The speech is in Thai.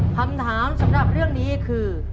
คำถามสำหรับเรื่องนี้คือ